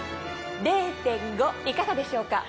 ０．５いかがでしょうか？